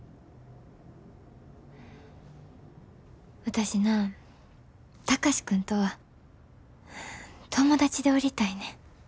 私な貴司君とは友達でおりたいねん。